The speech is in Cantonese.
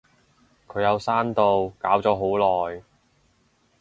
佢有刪到，搞咗好耐